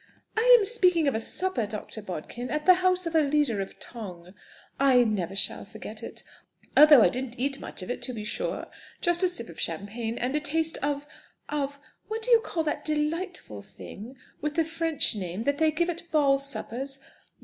"I am speaking of a supper, Dr. Bodkin, at the house of a leader of tong. I never shall forget it. Although I didn't eat much of it, to be sure. Just a sip of champagne, and a taste of of What do you call that delightful thing, with the French name, that they give at ball suppers?